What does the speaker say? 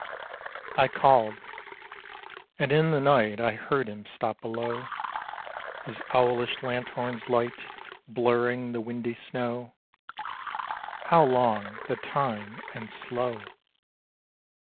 I called. And in the night I heard him stop below, His owlish lanthorn's light Blurring the windy snow How long the time and slow!